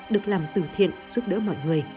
được làm từ thiện giúp đỡ mọi người